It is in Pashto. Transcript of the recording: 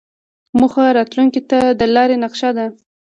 موخه راتلونکې ته د لارې نقشه ده.